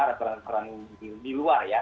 restoran peraturan di luar ya